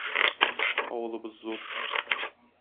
Авылыбыз зур.